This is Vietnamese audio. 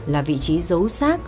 là vị trí dấu xác